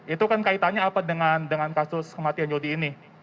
itu kan kaitannya apa dengan kasus kematian jodi ini